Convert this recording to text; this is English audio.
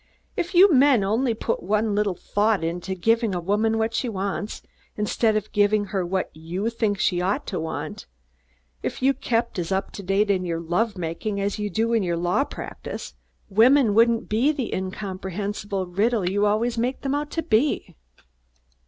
"If you men only put one little thought into giving a woman what she wants, instead of giving her what you think she ought to want; if you kept as up to date in your love making as you do in your law practise, women wouldn't be the incomprehensible riddle you always make them out to be."